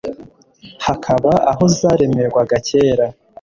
hakaba aho zaremerwaga kera ,